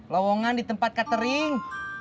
lowongan di tempat catering